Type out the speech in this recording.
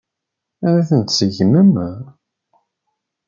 Ad ten-tseggmem?